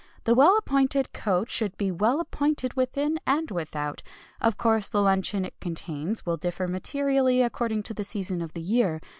The well appointed coach should be well appointed within and without. Of course the luncheon it contains will differ materially according to the season of the year.